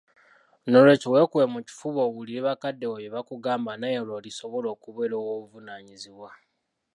N'olwekyo weekube mu kifuba owulire bakadde bo bye bakugamba naawe lw'olisobola okubeera ow'obuvunaanyizibwa